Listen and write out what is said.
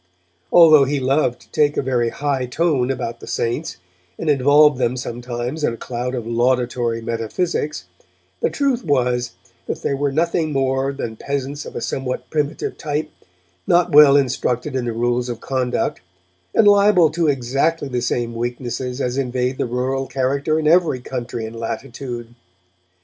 Although he loved to take a very high tone about the Saints, and involved them sometimes in a cloud of laudatory metaphysics, the truth was that they were nothing more than peasants of a somewhat primitive type, not well instructed in the rules of conduct and liable to exactly the same weaknesses as invade the rural character in every country and latitude.